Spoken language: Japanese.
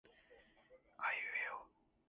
今日はここは東京都新宿区です